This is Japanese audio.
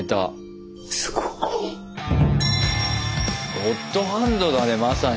ゴッドハンドだねまさに。